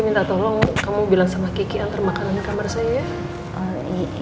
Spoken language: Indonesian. biarin di kamer saya ya